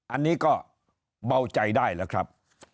อันนี้ก็เบาใจได้แล้วครับ